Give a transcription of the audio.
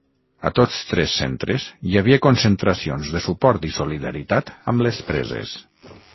A tots tres centres, hi havia concentracions de suport i solidaritat amb les preses.